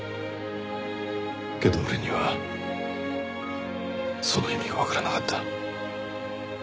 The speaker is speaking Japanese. けど俺にはその意味がわからなかった。